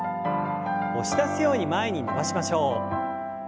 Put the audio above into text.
押し出すように前に伸ばしましょう。